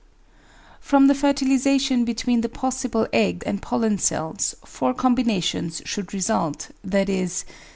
From the fertilisation between the possible egg and pollen cells four combinations should result, viz.